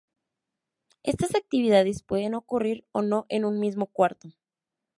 Estas actividades pueden ocurrir o no en un mismo cuarto.